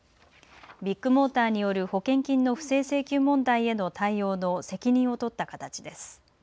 ビッグモーターによる保険金の不正請求問題への対応の責任を取った形です。